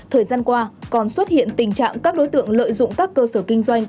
thời gian qua còn xuất hiện tình trạng các đối tượng lợi dụng các cơ sở kinh doanh